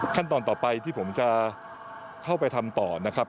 ขั้นตอนต่อไปที่ผมจะเข้าไปทำต่อนะครับ